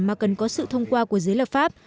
mà cần có sự thông qua của giới lập pháp